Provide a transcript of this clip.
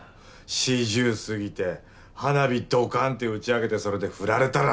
四十過ぎて花火ドカンって打ち上げてそれで振られたら！